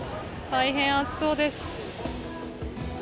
大変暑そうです。